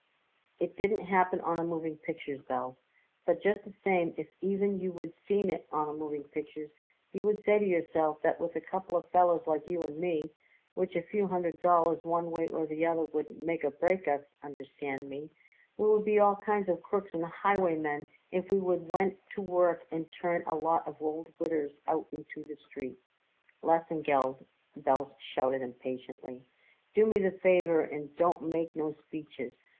"It didn't happen on a moving pictures, Belz, but just the same if even you would seen it on a moving pictures you would say to yourself that with a couple of fellers like you and me, which a few hundred dollars one way or the other wouldn't make or break us, understand me, we would be all kinds of crooks and highwaymen if we would went to work and turn a lot of old widders out into the street." "Lesengeld," Belz shouted impatiently, "do me the favour and don't make no speeches.